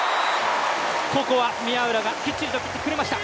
ここは宮浦がきっちりととってくれました。